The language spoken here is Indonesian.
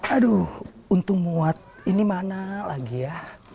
aduh untung muat ini mana lagi ya